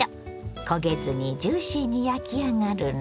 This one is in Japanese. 焦げずにジューシーに焼き上がるの。